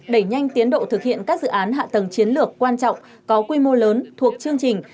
đẩy nhanh tiến độ thực hiện các dự án hạ tầng chiến lược quan trọng có quy mô lớn thuộc chương trình